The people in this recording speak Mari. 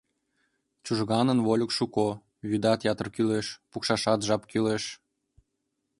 Чужганын вольык шуко, вӱдат ятыр кулеш, пукшашат жап кӱлеш.